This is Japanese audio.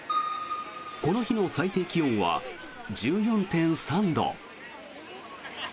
この日の最低気温は１４．３度。